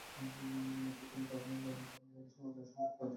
মাথায় কোনো গানের ভাবনা এলে সামনে কাগজের টুকরো পেলে সেখানেই লিখে রাখি।